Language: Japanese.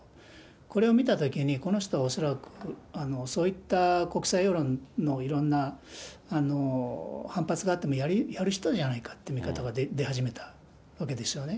これを見たときに、この人は恐らく、そういった国際世論のいろんな反発があってもやる人じゃないかという見方も出始めたわけですよね。